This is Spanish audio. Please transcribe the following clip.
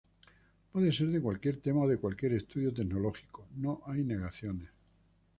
Puede ser de cualquier tema o de cualquier estudio tecnológico, no hay negaciones.